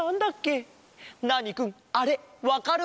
ナーニくんあれわかる？